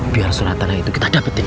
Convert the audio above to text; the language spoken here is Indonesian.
biar surat tanah itu kita dapetin